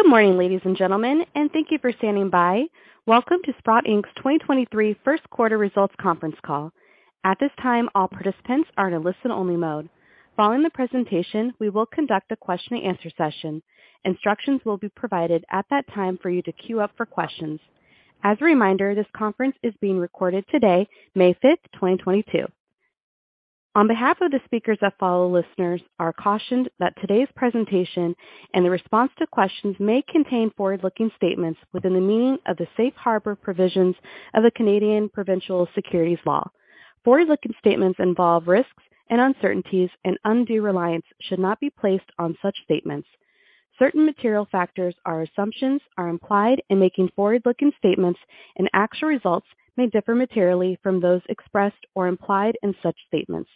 Good morning, ladies and gentlemen, and thank you for standing by. Welcome to Sprott Inc.'s 2023 1st quarter results conference call. At this time, all participants are in a listen only mode. Following the presentation, we will conduct a question and answer session. Instructions will be provided at that time for you to queue up for questions. As a reminder, this conference is being recorded today, May 5, 2022. On behalf of the speakers that follow, listeners are cautioned that today's presentation and the response to questions may contain forward-looking statements within the meaning of the safe harbor provisions of the Canadian provincial securities law. Forward-looking statements involve risks and uncertainties and undue reliance should not be placed on such statements. Certain material factors or assumptions are implied in making forward-looking statements, and actual results may differ materially from those expressed or implied in such statements.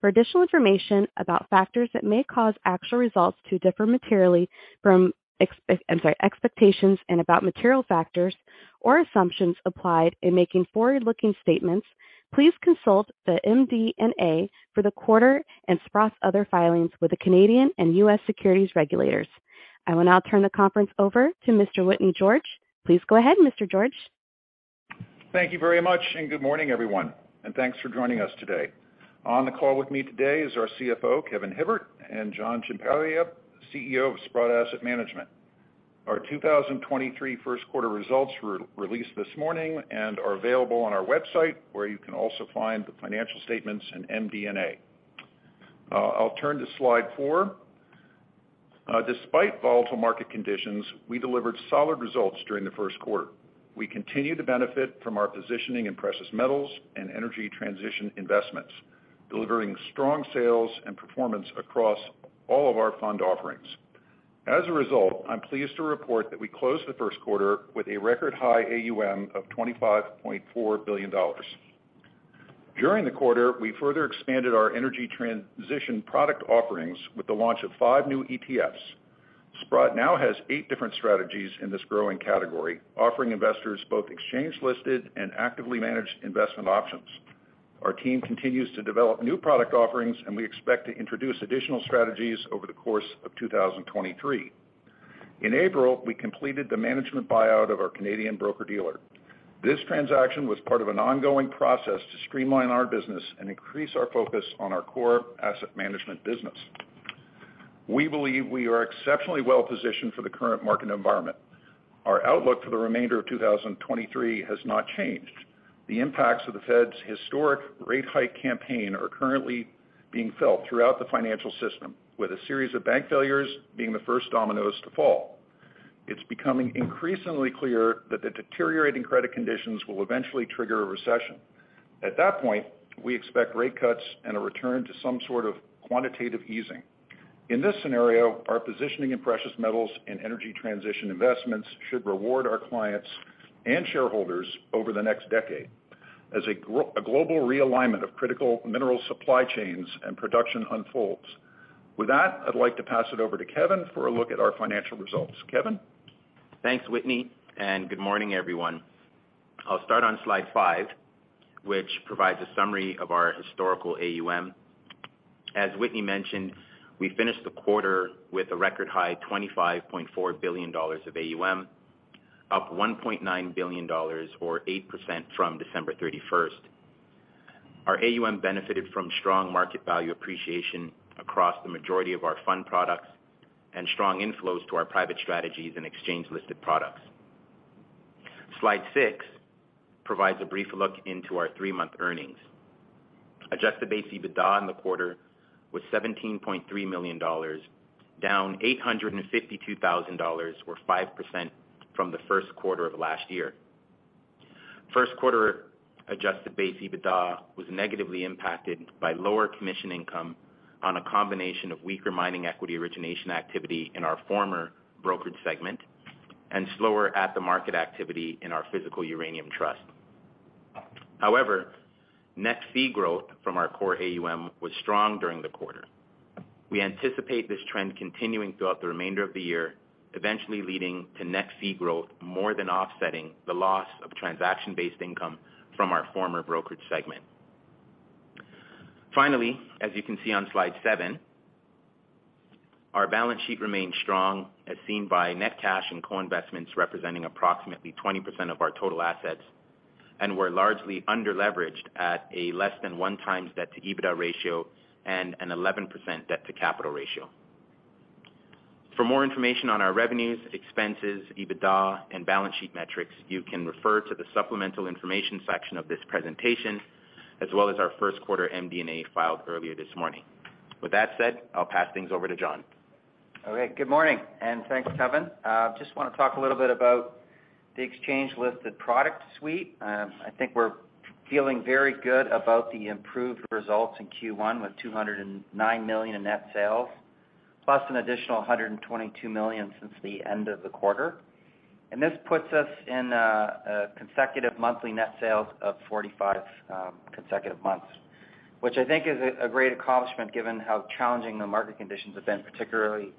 For additional information about factors that may cause actual results to differ materially from expectations and about material factors or assumptions applied in making forward-looking statements, please consult the MD&A for the quarter and Sprott's other filings with the Canadian and U.S. securities regulators. I will now turn the conference over to Mr. Whitney George. Please go ahead, Mr. George. Thank you very much, and good morning, everyone, and thanks for joining us today. On the call with me today is our CFO, Kevin Hibbert, and John Ciampaglia, CEO of Sprott Asset Management. Our 2023 first quarter results were released this morning and are available on our website, where you can also find the financial statements and MD&A. I'll turn to slide four. Despite volatile market conditions, we delivered solid results during the first quarter. We continue to benefit from our positioning in precious metals and energy transition investments, delivering strong sales and performance across all of our fund offerings. As a result, I'm pleased to report that we closed the first quarter with a record high AUM of $25.4 billion. During the quarter, we further expanded our energy transition product offerings with the launch of five new ETFs. Sprott now has 8 different strategies in this growing category, offering investors both exchange-listed and actively managed investment options. Our team continues to develop new product offerings, and we expect to introduce additional strategies over the course of 2023. In April, we completed the management buyout of our Canadian broker-dealer. This transaction was part of an ongoing process to streamline our business and increase our focus on our core asset management business. We believe we are exceptionally well positioned for the current market environment. Our outlook for the remainder of 2023 has not changed. The impacts of the Fed's historic rate hike campaign are currently being felt throughout the financial system, with a series of bank failures being the first dominoes to fall. It's becoming increasingly clear that the deteriorating credit conditions will eventually trigger a recession. At that point, we expect rate cuts and a return to some sort of quantitative easing. In this scenario, our positioning in precious metals and energy transition investments should reward our clients and shareholders over the next decade as a global realignment of critical mineral supply chains and production unfolds. With that, I'd like to pass it over to Kevin for a look at our financial results. Kevin? Thanks, Whitney. Good morning, everyone. I'll start on slide 5, which provides a summary of our historical AUM. As Whitney mentioned, we finished the quarter with a record high $25.4 billion of AUM, up $1.9 billion or 8% from December 31st. Our AUM benefited from strong market value appreciation across the majority of our fund products and strong inflows to our private strategies and exchange-listed products. Slide 6 provides a brief look into our three-month earnings. Adjusted base EBITDA in the quarter was $17.3 million, down $852,000 or 5% from the first quarter of last year. First quarter adjusted base EBITDA was negatively impacted by lower commission income on a combination of weaker mining equity origination activity in our former brokerage segment and slower at-the-market activity in our physical uranium trust. However, net fee growth from our core AUM was strong during the quarter. We anticipate this trend continuing throughout the remainder of the year, eventually leading to net fee growth more than offsetting the loss of transaction-based income from our former brokerage segment. Finally, as you can see on slide 7, our balance sheet remains strong as seen by net cash and co-investments representing approximately 20% of our total assets, and we're largely under-leveraged at a less than 1x debt-to-EBITDA ratio and an 11% debt-to-capital ratio. For more information on our revenues, expenses, EBITDA, and balance sheet metrics, you can refer to the supplemental information section of this presentation as well as our first quarter MD&A filed earlier this morning. With that said, I'll pass things over to John. Okay. Good morning, and thanks, Kevin. just wanna talk a little bit about the exchange-listed product suite. I think we're feeling very good about the improved results in Q1 with $209 million in net sales, plus an additional $122 million since the end of the quarter. This puts us in a consecutive monthly net sales of 45 consecutive months, which I think is a great accomplishment given how challenging the market conditions have been, particularly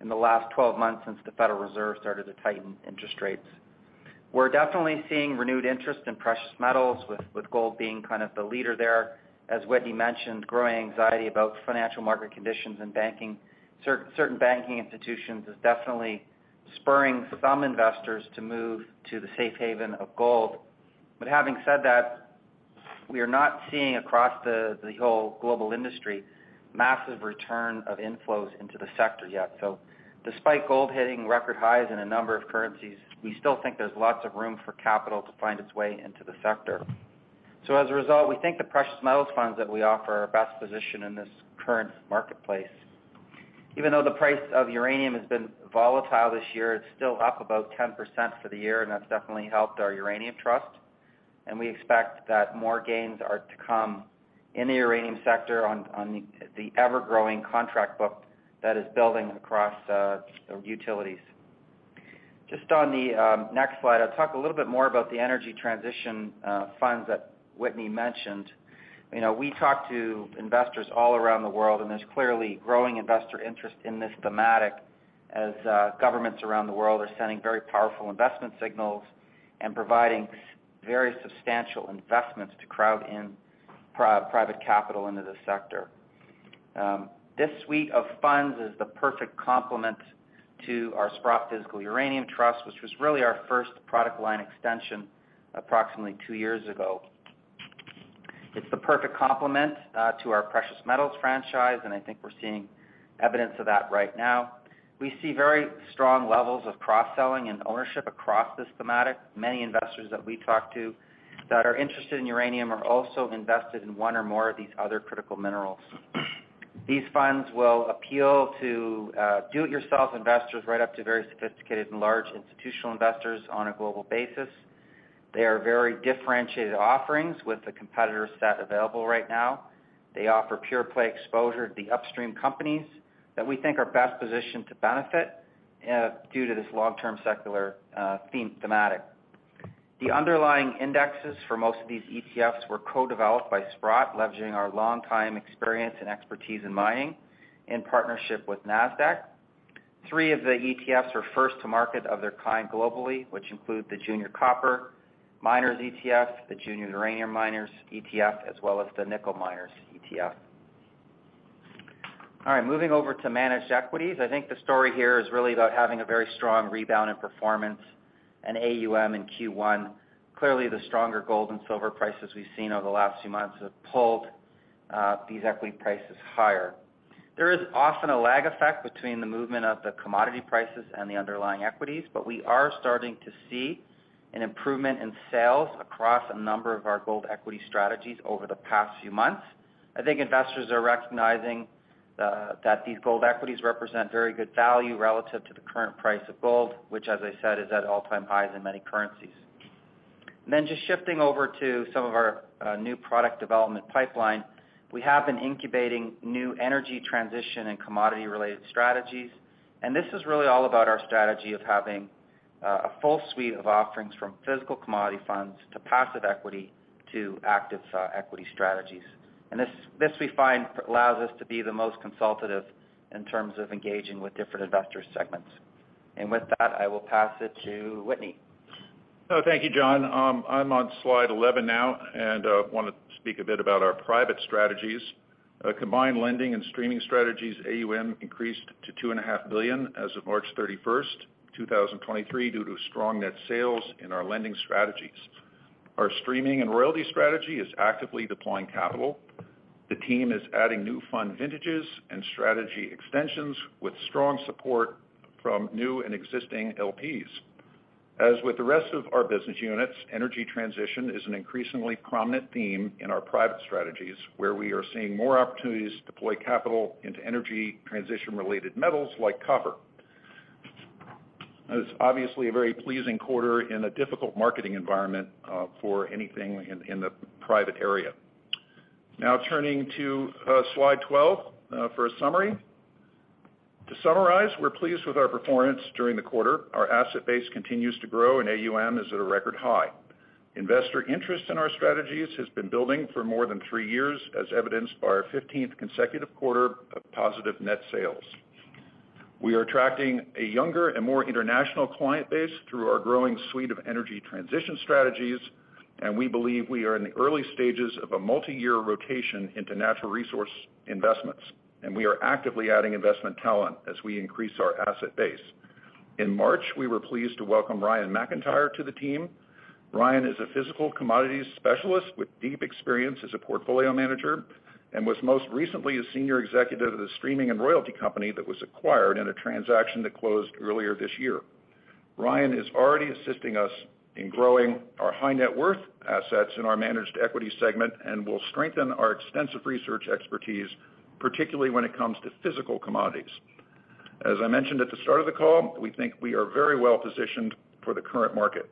in the last 12 months since the Federal Reserve started to tighten interest rates. We're definitely seeing renewed interest in precious metals with gold being kind of the leader there. As Whitney mentioned, growing anxiety about financial market conditions and certain banking institutions is definitely spurring some investors to move to the safe haven of gold. Having said that, we are not seeing across the whole global industry massive return of inflows into the sector yet. Despite gold hitting record highs in a number of currencies, we still think there's lots of room for capital to find its way into the sector. As a result, we think the precious metals funds that we offer are best positioned in this current marketplace. Even though the price of uranium has been volatile this year, it's still up about 10% for the year, and that's definitely helped our uranium trust. We expect that more gains are to come in the uranium sector on the ever-growing contract book that is building across the utilities. Just on the next slide, I'll talk a little bit more about the energy transition funds that Whitney mentioned. You know, we talk to investors all around the world, and there's clearly growing investor interest in this thematic as governments around the world are sending very powerful investment signals and providing very substantial investments to crowd in private capital into the sector. This suite of funds is the perfect complement to our Sprott Physical Uranium Trust, which was really our first product line extension approximately 2 years ago. It's the perfect complement to our precious metals franchise, and I think we're seeing evidence of that right now. We see very strong levels of cross-selling and ownership across this thematic. Many investors that we talk to that are interested in uranium are also invested in one or more of these other critical minerals. These funds will appeal to do-it-yourself investors right up to very sophisticated and large institutional investors on a global basis. They are very differentiated offerings with the competitor set available right now. They offer pure-play exposure to the upstream companies that we think are best positioned to benefit due to this long-term secular thematic. The underlying indexes for most of these ETFs were co-developed by Sprott, leveraging our long-time experience and expertise in mining, in partnership with Nasdaq. Three of the ETFs are first to market of their kind globally, which include the Junior Copper Miners ETF, the Junior Uranium Miners ETF, as well as the Nickel Miners ETF. All right, moving over to managed equities. I think the story here is really about having a very strong rebound in performance and AUM in Q1. Clearly, the stronger gold and silver prices we've seen over the last few months have pulled these equity prices higher. There is often a lag effect between the movement of the commodity prices and the underlying equities, but we are starting to see an improvement in sales across a number of our gold equity strategies over the past few months. I think investors are recognizing that these gold equities represent very good value relative to the current price of gold, which, as I said, is at all-time highs in many currencies. Just shifting over to some of our new product development pipeline. We have been incubating new energy transition and commodity-related strategies, and this is really all about our strategy of having, a full suite of offerings from physical commodity funds to passive equity to active, equity strategies. This we find allows us to be the most consultative in terms of engaging with different investor segments. With that, I will pass it to Whitney. Oh, thank you, John. I'm on slide 11 now and want to speak a bit about our private strategies. Combined lending and streaming strategies AUM increased to $2.5 billion as of March 31st, 2023, due to strong net sales in our lending strategies. Our streaming and royalty strategy is actively deploying capital. The team is adding new fund vintages and strategy extensions with strong support from new and existing LPs. As with the rest of our business units, energy transition is an increasingly prominent theme in our private strategies, where we are seeing more opportunities to deploy capital into energy transition-related metals like copper. It's obviously a very pleasing quarter in a difficult marketing environment for anything in the private area. Now turning to slide 12 for a summary. To summarize, we're pleased with our performance during the quarter. Our asset base continues to grow and AUM is at a record high. Investor interest in our strategies has been building for more than 3 years, as evidenced by our 15th consecutive quarter of positive net sales. We are attracting a younger and more international client base through our growing suite of energy transition strategies, and we believe we are in the early stages of a multi-year rotation into natural resource investments, and we are actively adding investment talent as we increase our asset base. In March, we were pleased to welcome Ryan McIntyre to the team. Ryan is a physical commodities specialist with deep experience as a portfolio manager and was most recently a senior executive of the streaming and royalty company that was acquired in a transaction that closed earlier this year. Ryan is already assisting us in growing our high net worth assets in our managed equity segment and will strengthen our extensive research expertise, particularly when it comes to physical commodities. As I mentioned at the start of the call, we think we are very well positioned for the current market.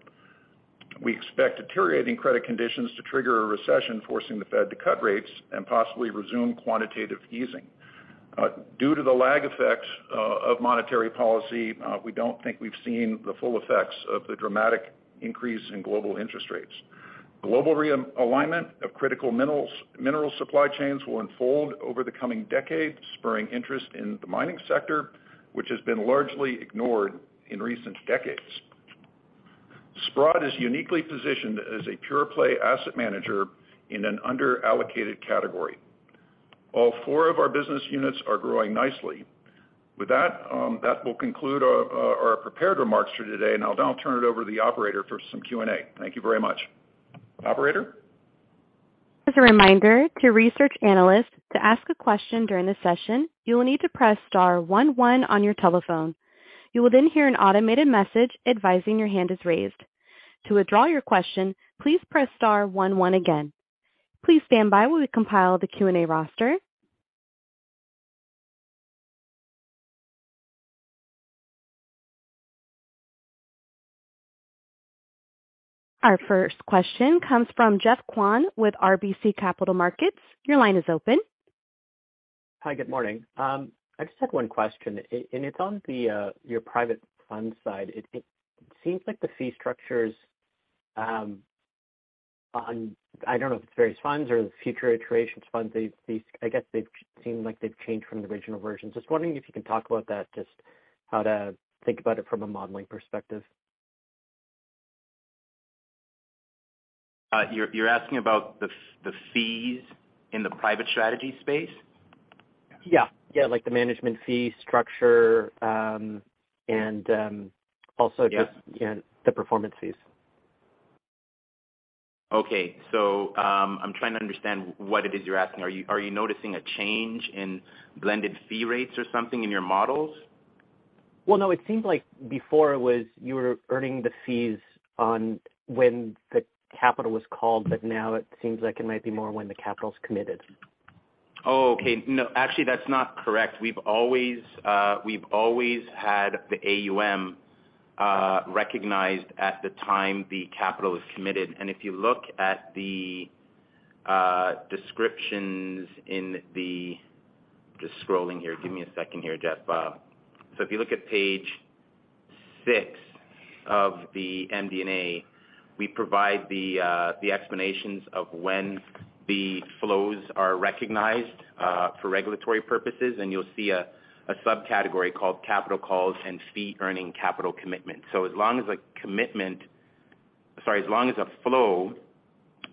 We expect deteriorating credit conditions to trigger a recession, forcing the Fed to cut rates and possibly resume quantitative easing. Due to the lag effects of monetary policy, we don't think we've seen the full effects of the dramatic increase in global interest rates. Global realignment of critical minerals, mineral supply chains will unfold over the coming decade, spurring interest in the mining sector, which has been largely ignored in recent decades. Sprott is uniquely positioned as a pure-play asset manager in an under-allocated category. All four of our business units are growing nicely. With that will conclude our prepared remarks for today. I'll now turn it over to the operator for some Q&A. Thank you very much. Operator? As a reminder to research analysts to ask a question during the session, you will need to press star one one on your telephone. You will then hear an automated message advising your hand is raised. To withdraw your question, please press star one one again. Please stand by while we compile the Q&A roster. Our first question comes from Geoffrey Kwan with RBC Capital Markets. Your line is open. Hi, good morning. I just had 1 question, and it's on your private funds side. It seems like the fee structures on... I don't know if it's various funds or the future iterations funds. These I guess they've seem like they've changed from the original versions. Just wondering if you can talk about that, just how to think about it from a modeling perspective. You're asking about the fees in the private strategy space? Yeah. Yeah. Like the management fee structure. Also. Yeah... you know, the performance fees. I'm trying to understand what it is you're asking. Are you noticing a change in blended fee rates or something in your models? Well, no. It seems like before it was you were earning the fees on when the capital was called, but now it seems like it might be more when the capital's committed. Oh, okay. No, actually, that's not correct. We've always, we've always had the AUM recognized at the time the capital is committed. If you look at the descriptions in the Just scrolling here. Give me a second here, Jeff. If you look at page six of the MD&A, we provide the explanations of when the flows are recognized for regulatory purposes, and you'll see a subcategory called capital calls and fee earning capital commitment. As long as a flow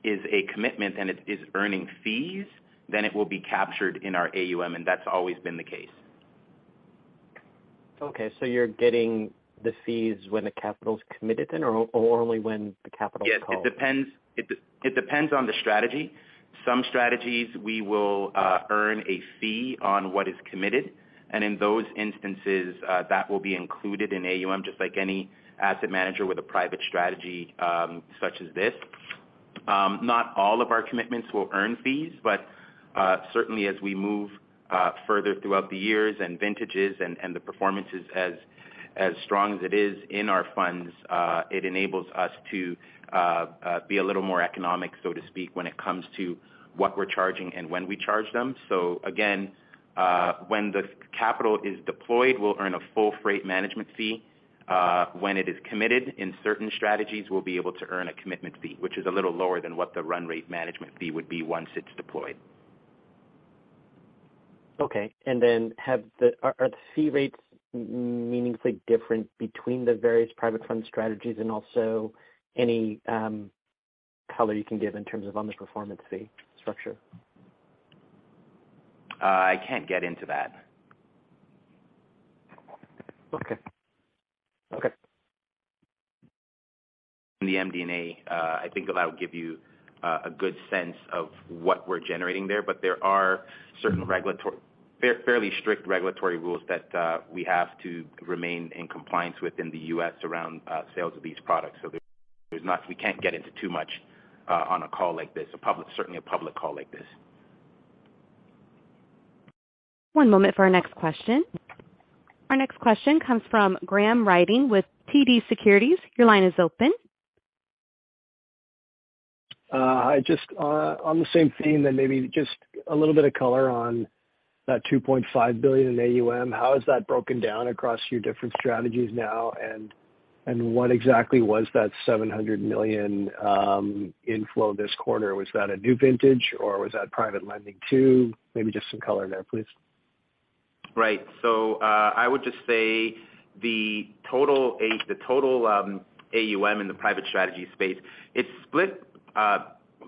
is a commitment and it is earning fees, then it will be captured in our AUM, and that's always been the case. Okay. You're getting the fees when the capital's committed then, or only when the capital is called? Yes. It depends on the strategy. Some strategies we will earn a fee on what is committed, and in those instances, that will be included in AUM, just like any asset manager with a private strategy, such as this. Not all of our commitments will earn fees, but certainly as we move further throughout the years and vintages and the performances as strong as it is in our funds, it enables us to be a little more economic, so to speak, when it comes to what we're charging and when we charge them. Again, when the capital is deployed, we'll earn a full freight management fee. When it is committed in certain strategies, we'll be able to earn a commitment fee, which is a little lower than what the run rate management fee would be once it's deployed. Okay. Have the fee rates meaningfully different between the various private fund strategies and also any color you can give in terms of on the performance fee structure? I can't get into that. Okay. Okay. In the MD&A, I think that would give you a good sense of what we're generating there. There are certain fairly strict regulatory rules that we have to remain in compliance with in the U.S. around sales of these products. We can't get into too much on a call like this, certainly a public call like this. One moment for our next question. Our next question comes from Graham Ryding with TD Securities. Your line is open. Just on the same theme then maybe just a little bit of color on that $2.5 billion in AUM. How is that broken down across your different strategies now? What exactly was that $700 million inflow this quarter? Was that a new vintage or was that private lending too? Maybe just some color there, please. Right. I would just say the total AUM in the private strategy space, it's split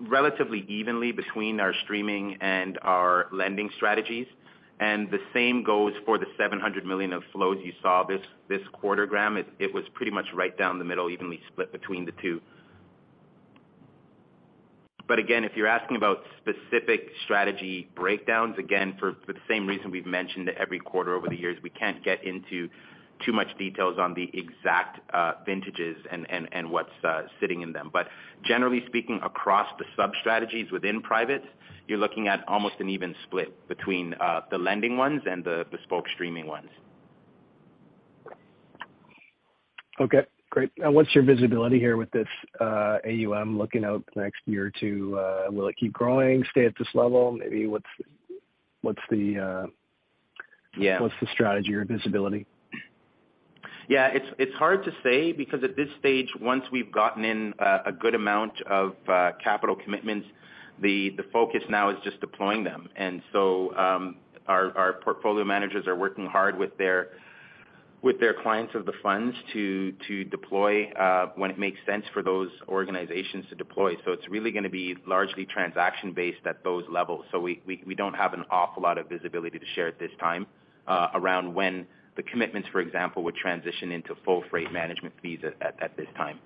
relatively evenly between our streaming and our lending strategies. The same goes for the $700 million of flows you saw this quarter, Graham. It was pretty much right down the middle, evenly split between the two. Again, if you're asking about specific strategy breakdowns, again, for the same reason we've mentioned every quarter over the years, we can't get into too much details on the exact vintages and what's sitting in them. Generally speaking, across the sub-strategies within private, you're looking at almost an even split between the lending ones and the spoke streaming ones. Okay, great. What's your visibility here with this AUM looking out next year or 2? Will it keep growing, stay at this level? Maybe what's... Yeah What's the strategy or visibility? Yeah, it's hard to say, because at this stage, once we've gotten in, a good amount of capital commitments, the focus now is just deploying them. Our portfolio managers are working hard with their clients of the funds to deploy, when it makes sense for those organizations to deploy. It's really gonna be largely transaction-based at those levels. We don't have an awful lot of visibility to share at this time, around when the commitments, for example, would transition into full freight management fees at this time.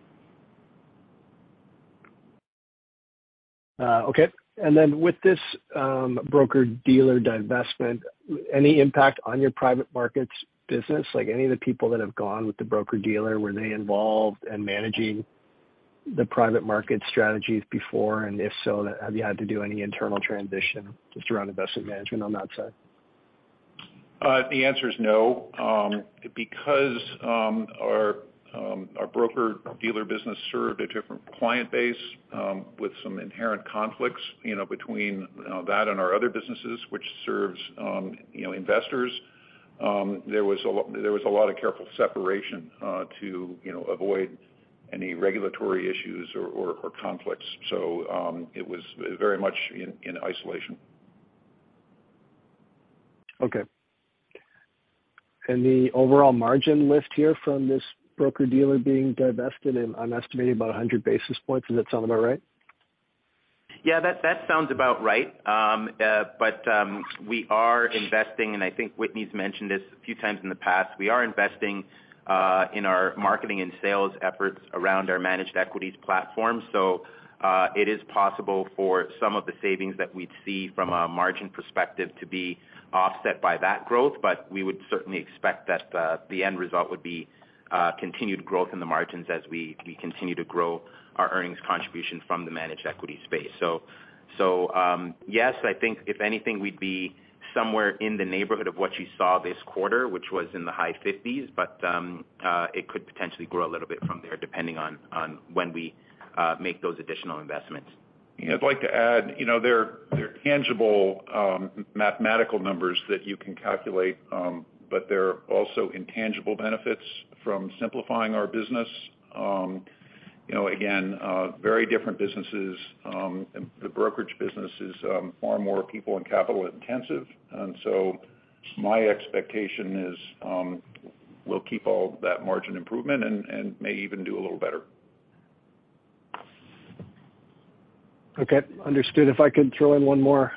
Okay. With this broker-dealer divestment, any impact on your private markets business? Like, any of the people that have gone with the broker-dealer, were they involved in managing the private market strategies before? If so, have you had to do any internal transition just around investment management on that side? The answer is no. Our broker-dealer business served a different client base, with some inherent conflicts, you know, between that and our other businesses, which serves, you know, investors. There was a lot of careful separation, to, you know, avoid any regulatory issues or conflicts. It was very much in isolation. Okay. The overall margin lift here from this broker-dealer being divested, and I'm estimating about 100 basis points. Does that sound about right? That sounds about right. We are investing, and I think Whitney's mentioned this a few times in the past, we are investing in our marketing and sales efforts around our managed equities platform. It is possible for some of the savings that we'd see from a margin perspective to be offset by that growth. We would certainly expect that the end result would be continued growth in the margins as we continue to grow our earnings contribution from the managed equity space. Yes, I think if anything, we'd be somewhere in the neighborhood of what you saw this quarter, which was in the high 50s%, but it could potentially grow a little bit from there, depending on when we make those additional investments. Yeah, I'd like to add, you know, there are tangible, mathematical numbers that you can calculate, but there are also intangible benefits from simplifying our business. You know, again, very different businesses, the brokerage business is far more people and capital intensive. My expectation is, we'll keep all that margin improvement and may even do a little better. Okay, understood. If I could throw in one more.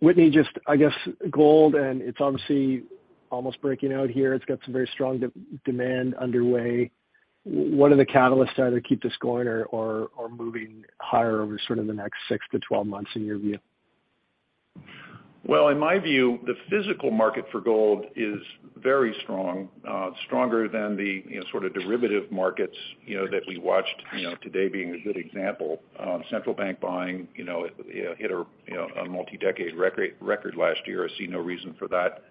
Whitney, just I guess gold, and it's obviously almost breaking out here. It's got some very strong de-demand underway. What are the catalysts that either keep this going or moving higher over sort of the next six to twelve months in your view? In my view, the physical market for gold is very strong, stronger than the, you know, sort of derivative markets, you know, that we watched, you know, today being a good example. Central bank buying, you know, hit a, you know, a multi-decade record last year. I see no reason for that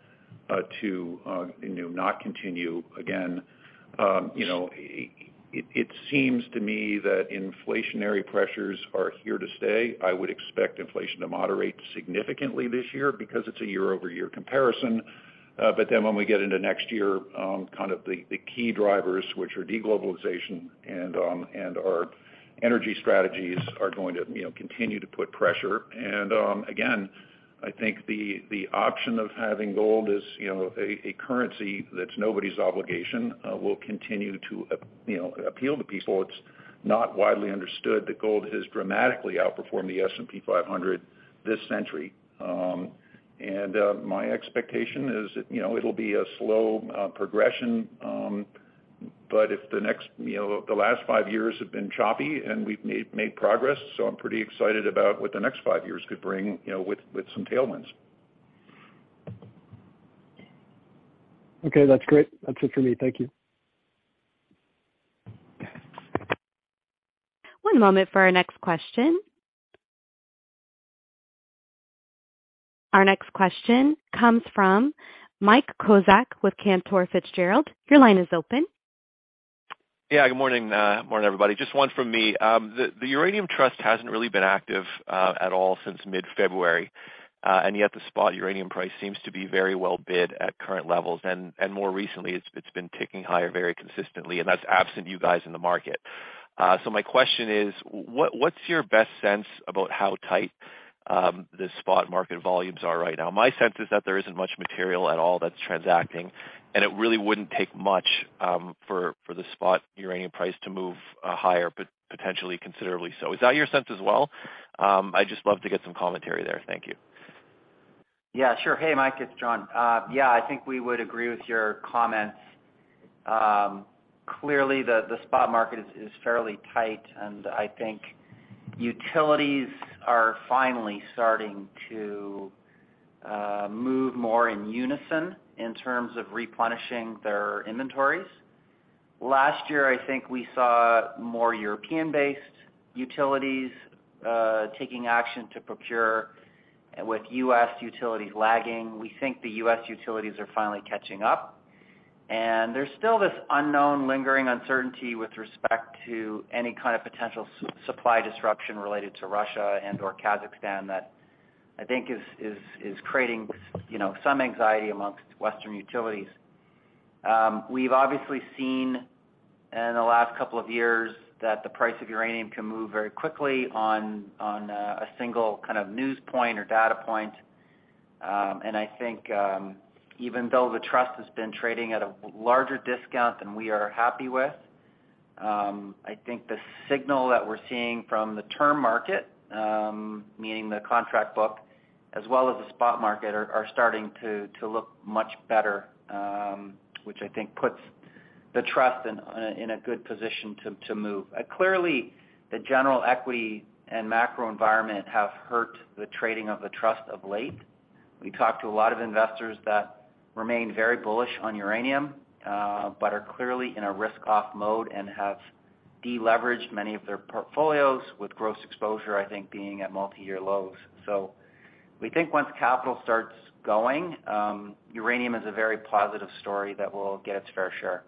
to, you know, not continue. Again, you know, it seems to me that inflationary pressures are here to stay. I would expect inflation to moderate significantly this year because it's a year-over-year comparison. When we get into next year, kind of the key drivers, which are de-globalization and our energy strategies are going to, you know, continue to put pressure. Again, I think the option of having gold as, you know, a currency that's nobody's obligation, will continue to you know, appeal to people. It's not widely understood that gold has dramatically outperformed the S&P 500 this century. My expectation is, you know, it'll be a slow, progression. If the next, you know, the last 5 years have been choppy and we've made progress, so I'm pretty excited about what the next 5 years could bring, you know, with some tailwinds. Okay, that's great. That's it for me. Thank you. One moment for our next question. Our next question comes from Mike Kozak with Cantor Fitzgerald. Your line is open. Yeah, good morning. Good morning, everybody. Just one from me. The Uranium Trust hasn't really been active at all since mid-February. Yet the spot uranium price seems to be very well bid at current levels. More recently, it's been ticking higher very consistently, and that's absent you guys in the market. My question is: What, what's your best sense about how tight the spot market volumes are right now? My sense is that there isn't much material at all that's transacting, and it really wouldn't take much for the spot uranium price to move higher, potentially considerably so. Is that your sense as well? I'd just love to get some commentary there. Thank you. Yeah, sure. Hey, Mike, it's John. Yeah, I think we would agree with your comments. Clearly the spot market is fairly tight, and I think utilities are finally starting to move more in unison in terms of replenishing their inventories. Last year, I think we saw more European-based utilities taking action to procure with U.S. utilities lagging. We think the U.S. utilities are finally catching up. There's still this unknown lingering uncertainty with respect to any kind of potential supply disruption related to Russia and or Kazakhstan that I think is creating, you know, some anxiety amongst Western utilities. We've obviously seen in the last couple of years that the price of uranium can move very quickly on a single kind of news point or data point. I think, even though the trust has been trading at a larger discount than we are happy with, I think the signal that we're seeing from the term market, meaning the contract book as well as the spot market are starting to look much better, which I think puts the trust in a good position to move. Clearly, the general equity and macro environment have hurt the trading of the trust of late. We talked to a lot of investors that remain very bullish on uranium, are clearly in a risk off mode and have de-leveraged many of their portfolios with gross exposure, I think being at multi-year lows. We think once capital starts going, uranium is a very positive story that will get its fair share.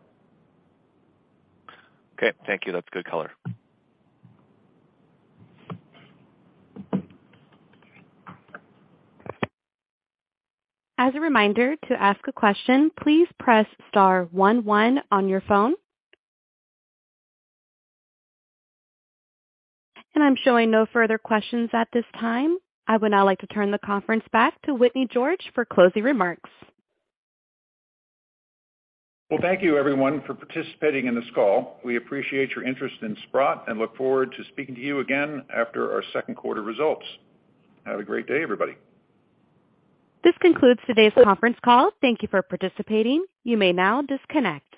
Okay, thank you. That's good color. As a reminder, to ask a question, please press star one one on your phone. I'm showing no further questions at this time. I would now like to turn the conference back to Whitney George for closing remarks. Well, thank you everyone for participating in this call. We appreciate your interest in Sprott and look forward to speaking to you again after our second quarter results. Have a great day, everybody. This concludes today's conference call. Thank you for participating. You may now disconnect.